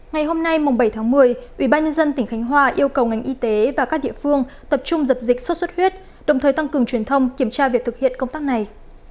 ngày hôm nay bảy tháng một mươi ubnd tỉnh khánh hòa yêu cầu ngành y tế và các địa phương tập trung dập dịch xuất xuất huyết đồng thời tăng cường truyền thông kiểm tra việc thực hiện công tác này